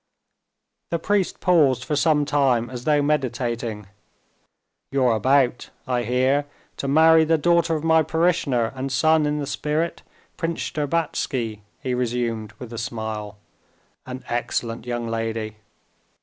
The priest paused for some time, as though meditating. "You're about, I hear, to marry the daughter of my parishioner and son in the spirit, Prince Shtcherbatsky?" he resumed, with a smile. "An excellent young lady."